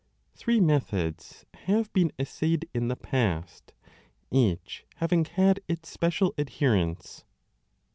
Three methods have been essayed in the past, each having had its special adherents.